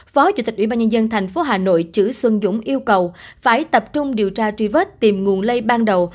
phó chủ tịch ubnd thành phố hà nội chữ xuân dũng yêu cầu phải tập trung điều tra truy vết tìm nguồn lây ban đầu